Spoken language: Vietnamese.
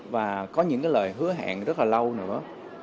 và có những cái lời hứa hẹn rất là lâu nữa